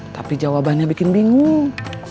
tapi jawabannya bikin bingung